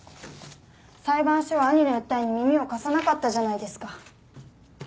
裁判所は兄の訴えに耳を貸さなかったじゃないですか。